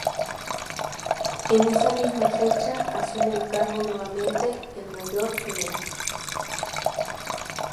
En esa misma fecha asume el cargo nuevamente el Mayor Gral.